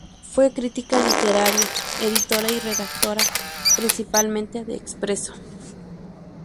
Fue crítica literaria, editora y redactora principal de "Expresso".